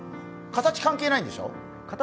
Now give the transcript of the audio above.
形、関係ないんでしょ？